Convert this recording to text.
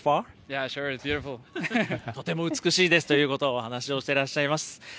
とても美しいですということをお話をしていらっしゃいます。